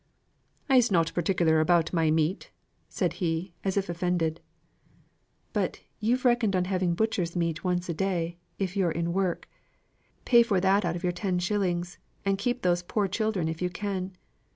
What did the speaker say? "I'se nought particular about my meat," said he, as if offended. "But you've reckoned on having butcher's meat once a day, if you're in work; pay for that out of your ten shillings, and keep those poor children if you can.